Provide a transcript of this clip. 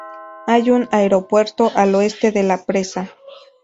Hay un aeropuerto al oeste de la presa.